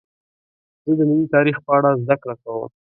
زه د ملي تاریخ په اړه زدهکړه کوم.